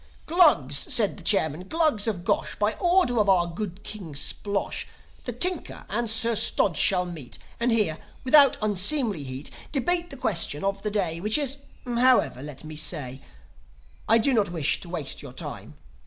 "Glugs," said the chairman. "Glugs of Gosh; By order of our good King Splosh, The Tinker and Sir Stodge shall meet, And here, without unseemly heat, Debate the question of the day, Which is However, let me say "I do not wish to waste your time.